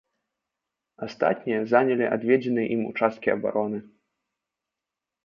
Астатнія занялі адведзеныя ім участкі абароны.